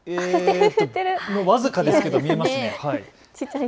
僅かですけど見えますね。